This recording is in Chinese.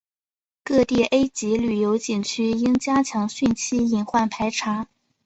各地 A 级旅游景区应加强汛期隐患排查